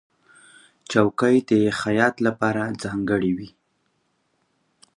چوکۍ د خیاط لپاره ځانګړې وي.